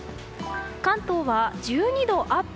関東は１２度アップ。